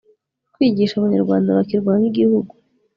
kwigisha abanyarwanda bakirwanya igihugu